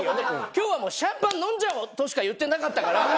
「今日はシャンパン飲んじゃおう！」としか言ってなかったから。